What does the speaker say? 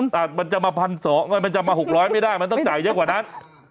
แต่มันจะมา๑๒๐๐มันจะมา๖๐๐ไม่ได้มันต้องจ่ายเยอะกว่านั้น